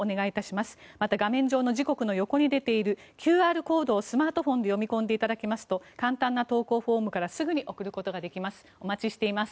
また画面上の時刻の横に出ているＱＲコードをスマートフォンで読み込んでいただきますと簡単な投稿フォームからすぐに送ることができます。